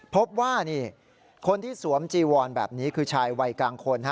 พบว่าคนที่สวมจีวอนแบบนี้คือชายวัยกลางคน